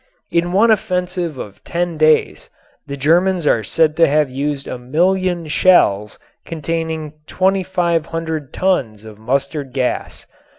In one offensive of ten days the Germans are said to have used a million shells containing 2500 tons of mustard gas.